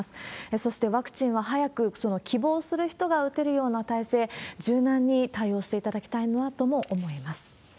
そしてワクチンは早く、その希望する人が打てるような態勢、柔軟に対応していただきたいなとも思います。